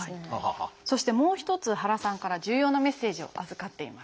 そしてもう一つ原さんから重要なメッセージを預かっています。